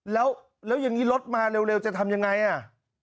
แล้วแล้วยังงี้รถมาเร็วเร็วจะทำยังไงอ่ะ